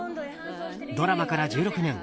ドラマから１６年。